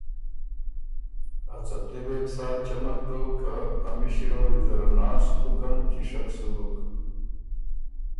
ا څپلی وې بو سا چمک دوک که ا مِشی وه ویزر ناسک بُکن کِشک سُو بُک